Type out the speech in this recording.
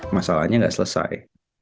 masalahnya nggak selesai